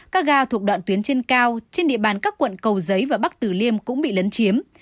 các ga thuộc đoạn tuyến trên cao trên địa bàn các quận cầu giấy và bắc tử liêm cũng bị lấn chiếm